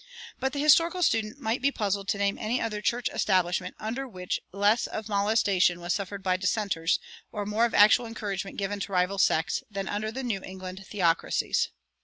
But the historical student might be puzzled to name any other church establishment under which less of molestation was suffered by dissenters, or more of actual encouragement given to rival sects, than under the New England theocracies.